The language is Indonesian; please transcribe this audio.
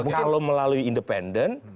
kalau melalui independen